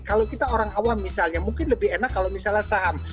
kalau kita orang awam misalnya mungkin lebih enak kalau misalnya saham